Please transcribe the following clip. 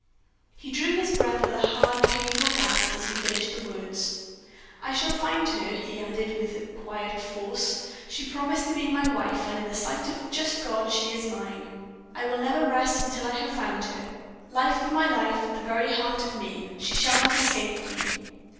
He drew his breath with a hard, painful gasp as he finished the words. "I shall find her," he added, with quiet force. "She promised to be my wife, and in the sight of the just God she is mine. I will never rest until I have found her, life of my life, the very heart of me. She shall not escape me."